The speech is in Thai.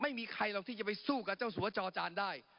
ไม่มีใครหรอกที่จะไปสู้กับเจ้าสัวจอจานได้